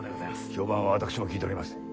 評判は私も聞いております。